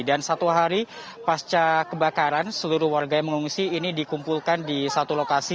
dan satu hari pasca kebakaran seluruh warga yang mengungsi ini dikumpulkan di satu lokasi